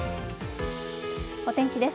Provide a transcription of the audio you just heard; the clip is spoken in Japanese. お天気です。